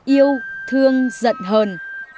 yêu thương giận hờn